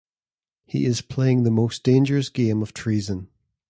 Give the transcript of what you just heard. He is playing the most dangerous game of treason.